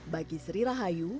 bagi sri rahayu